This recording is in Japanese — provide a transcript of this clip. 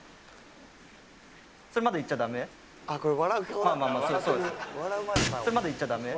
それまだ言っちゃダメ？